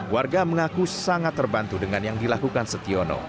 warga mengaku sangat terbantu dengan yang dilakukan setiono